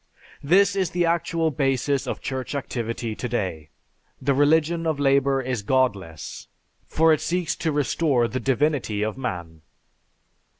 This is the actual basis of Church activity to day. The religion of labor is godless, for it seeks to restore the divinity of man."